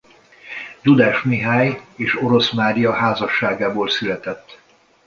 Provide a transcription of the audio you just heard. Dudás Mihály és Orosz Mária házasságából született.